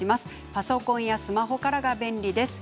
パソコンやスマホからが便利です。